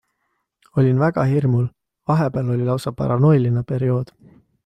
Olin väga hirmul, vahepeal oli lausa paranoiline periood.